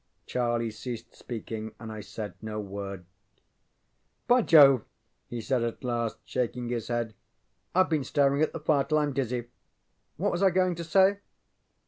Charlie ceased speaking, and I said no word. ŌĆ£By Jove! ŌĆØ he said, at last, shaking his head. ŌĆ£IŌĆÖve been staring at the fire till IŌĆÖm dizzy. What was I going to say?